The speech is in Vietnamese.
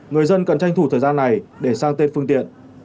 người dân cần tranh thủ thời gian này để sang tên phương tiện